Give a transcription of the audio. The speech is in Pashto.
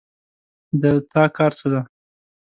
د تا کار څه ده